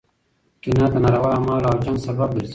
کینه د ناروا اعمالو او جنګ سبب ګرځي.